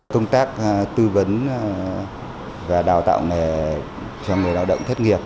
công tác tư vấn và đào tạo nghề cho người lao động thất nghiệp